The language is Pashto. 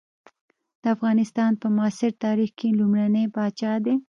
د افغانستان په معاصر تاریخ کې لومړنی پاچا دی.